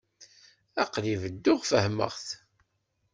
Aql-i bedduɣ fehhmeɣ-t.